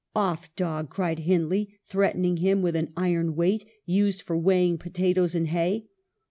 ' Off, dog !' cried Hindley, threatening him with an iron weight, used for weighing potatoes and hay.